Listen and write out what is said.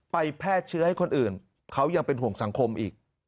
แพร่เชื้อให้คนอื่นเขายังเป็นห่วงสังคมอีก